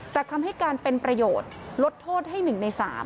แต่คำให้การเป็นประโยชน์ลดโทษให้๑ใน๓